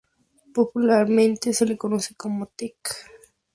Popularmente, se le conoce como "Tec".